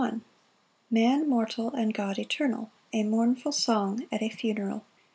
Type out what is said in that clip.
M. Man mortal, and God eternal. A mournful song at a funeral.